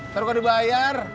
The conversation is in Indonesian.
taruh kan dibayar